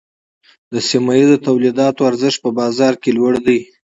د سیمه ییزو تولیداتو ارزښت په بازار کې لوړ دی۔